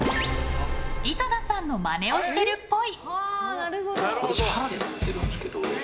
井戸田さんのマネをしてるっぽい。